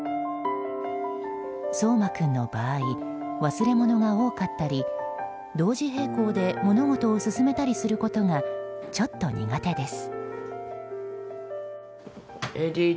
颯馬君の場合忘れ物が多かったり同時並行で物事を進めたりすることがちょっと苦手です。